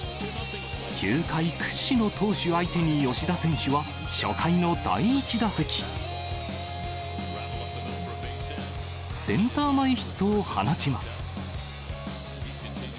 球界屈指の投手相手に、吉田選手は、初回の第１打席。センター前ヒットを放ちます。